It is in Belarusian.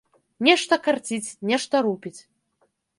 Нешта карціць, нешта рупіць.